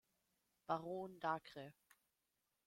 Baron Dacre.